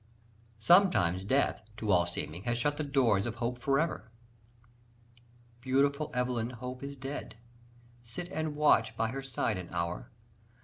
Sometimes death, to all seeming, has shut the doors of hope for ever: Beautiful Evelyn Hope is dead! Sit and watch by her side an hour.